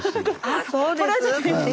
あそうです？